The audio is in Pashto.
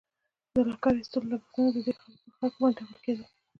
د لښکر ایستلو لږښتونه د دې خاورې پر خلکو باندې تپل کېدل.